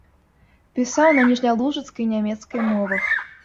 Пісаў на ніжнялужыцкай і нямецкай мовах.